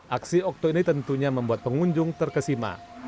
aksi okto ini tentunya membuat pengunjung terkesima